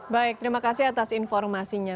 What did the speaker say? baik terima kasih atas informasinya